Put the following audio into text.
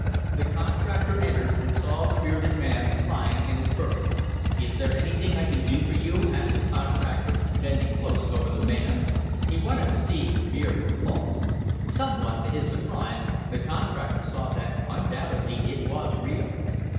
The contractor entered, and saw the bearded man lying in his berth. "Is there anything I can do for you?" asked the contractor, bending close over the man. He wanted to see if the beard were false. Somewhat to his surprise the contractor saw that undoubtedly it was real.